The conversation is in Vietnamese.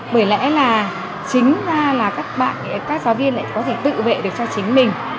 bởi lẽ là chính ra là các giáo viên lại có thể tự vệ được cho chính mình